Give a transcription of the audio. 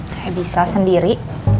saya bisa sendiri